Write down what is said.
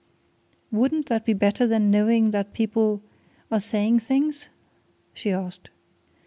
"Wouldn't that be better than knowing that people are saying things?" she asked.